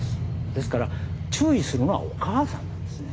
ですから、注意するのはお母さんなんですね。